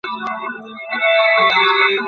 সত্যি বলতে, কোনো আশ্বাস দিতে পারবো না।